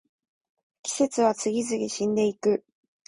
季節は次々死んでいく